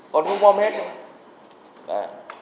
còn không có hết đâu